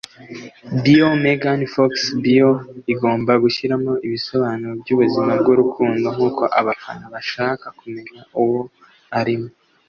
Bio Megan Fox bio igomba gushiramo ibisobanuro byubuzima bwurukundo, nkuko abafana bashaka kumenya uwo arimo!